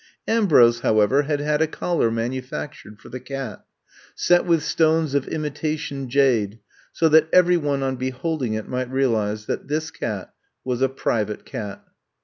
Ambrose, however, had had a collar manufactured for the cat, set with stones of imitation jade, so that every one on beholding it might realize that this cat was a private cat.